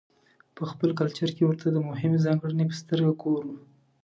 په خپل کلچر کې ورته د مهمې ځانګړنې په سترګه ګورو.